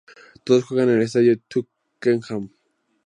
Todas jugadas en el Estadio Twickenham.